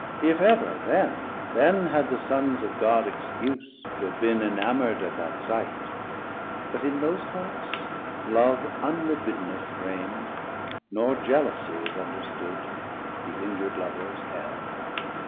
if ever, then, Then had the Sons of God excuse to have bin Enamour'd at that sight; but in those hearts Love unlibidinous reign'd, nor jealousie Was understood, the injur'd Lovers Hell.